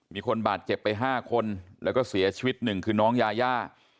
มีคนบาดเจ็บไป๕คนแล้วก็เสียชีวิตหนึ่งคือน้องยาย่า